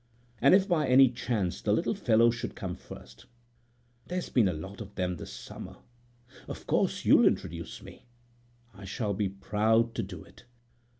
"And if by any chance the little fellow should come first,—there's been a lot of them this summer—of course you'll introduce me?" "I shall be proud to do it."